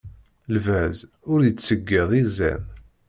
Lbaz ur yettseyyiḍ izan.